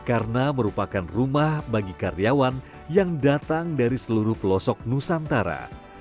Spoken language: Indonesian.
karena merupakan rumah bagi karyawan yang datang dari seluruh pelosok nusantara